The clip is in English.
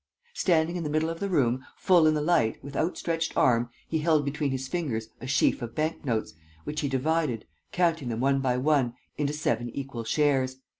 Standing in the middle of the room, full in the light, with outstretched arm, he held between his fingers a sheaf of bank notes, which he divided, counting them one by one, into seven equal shares.